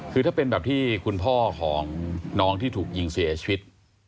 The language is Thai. คือถ้าเป็นแบบที่คุณพ่อของน้องที่ถูกยิงเสียชีวิต